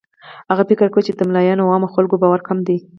هغه فکر کاوه چې د ملایانو او عامو خلکو باور کم دی.